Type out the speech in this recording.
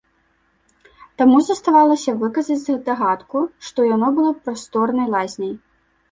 Таму заставалася выказаць здагадку, што яно было прасторнай лазняй.